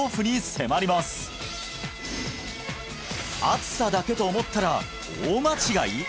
暑さだけと思ったら大間違い！？